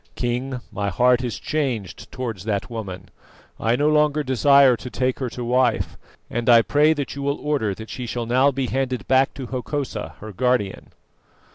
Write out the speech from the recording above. King, my heart is changed towards that woman; I no longer desire to take her to wife, and I pray that you will order that she shall now be handed back to Hokosa her guardian."